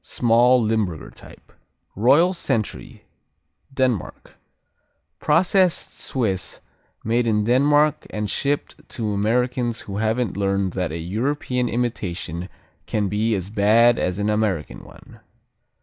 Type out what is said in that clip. Small, Limburger type. Royal Sentry Denmark Processed Swiss made in Denmark and shipped to Americans who haven't yet learned that a European imitation can be as bad as an American one.